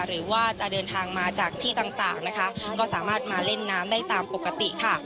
หรือว่าจะเดินทางมาจากที่ต่างนะคะก็สามารถมาเล่นน้ำได้ตามปกติค่ะ